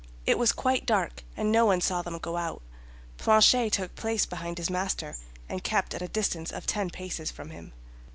It was quite dark, and no one saw them go out. Planchet took place behind his master, and kept at a distance of ten paces from him.